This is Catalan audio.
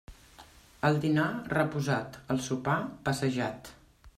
El dinar, reposat; el sopar, passejat.